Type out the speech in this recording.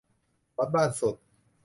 วัดบ้านสุด